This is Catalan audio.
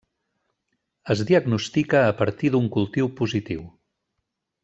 Es diagnostica a partir d'un cultiu positiu.